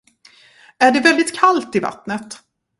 Är det väldigt kallt i vatttnet?